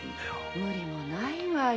無理もないわよ。